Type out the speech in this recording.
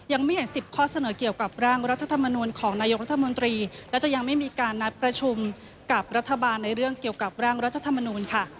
ยังไม่เห็น๑๐ข้อเสนอเกี่ยวกับร่างรัฐธรรมนูลของนายกรัฐมนตรีและจะยังไม่มีการนัดประชุมกับรัฐบาลในเรื่องเกี่ยวกับร่างรัฐธรรมนูลค่ะ